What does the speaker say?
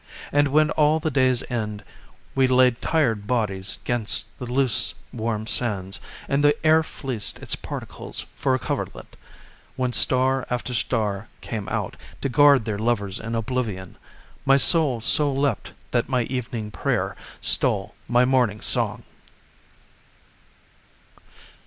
And when at the day's end We laid tired bodies 'gainst The loose warm sands, And the air fleeced its particles for a coverlet; When star after star came out To guard their lovers in oblivion My soul so leapt that my evening prayer Stole my morning song!